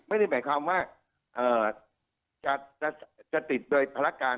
ไม่ได้หมายความว่าจะติดโดยภารการ